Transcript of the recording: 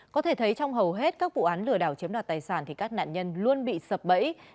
có thể thấy trong hầu hết các vụ án lừa đảo chiếm đoạt tài sản thì các nạn nhân luôn bị sập bẫy